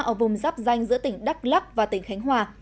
ở vùng rắp danh giữa tỉnh đắk lắk và tỉnh khánh hòa